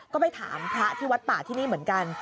ก็ไปถามพระที่วัดป่าที่นี่เหมือนกัน